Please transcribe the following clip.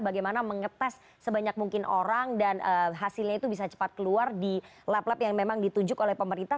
bagaimana mengetes sebanyak mungkin orang dan hasilnya itu bisa cepat keluar di lab lab yang memang ditunjuk oleh pemerintah